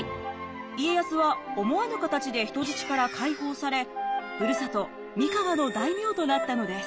家康は思わぬ形で人質から解放されふるさと三河の大名となったのです。